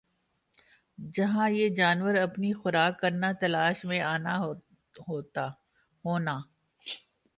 جَہاں یِہ جانور اپنی خوراک کرنا تلاش میں آنا ہونا